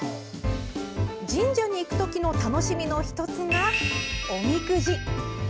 神社に行くときの楽しみの１つが、おみくじ。